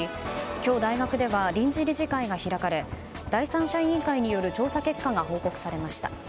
今日、大学では臨時理事会が開かれ第三者委員会による調査結果が報告されました。